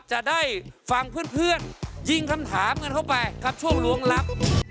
จะได้ฟังเพื่อนยิงคำถามกันเข้าไปครับช่วงล้วงลับ